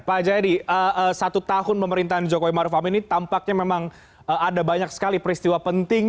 pak jayadi satu tahun pemerintahan jokowi maruf amin ini tampaknya memang ada banyak sekali peristiwa penting